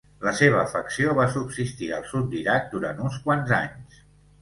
La seva facció va subsistir al sud d'Iraq durant uns quants anys.